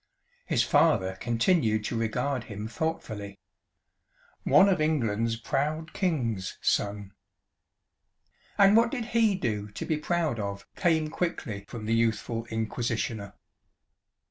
His father continued to regard him thoughtfully. "One of England's proud kings, Son." "And what did he do to be proud of?" came quickly from the youthful inquisitioner.